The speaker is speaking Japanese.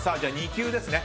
２球ですね。